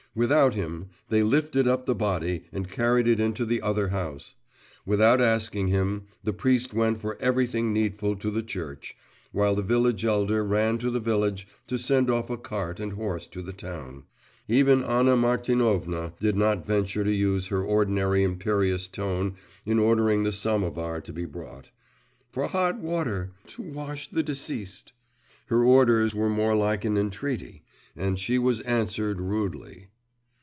Without him, they lifted up the body and carried it into the other house. Without asking him, the priest went for everything needful to the church, while the village elder ran to the village to send off a cart and horse to the town. Even Anna Martinovna did not venture to use her ordinary imperious tone in ordering the samovar to be brought, 'for hot water, to wash the deceased.' Her orders were more like an entreaty, and she was answered rudely.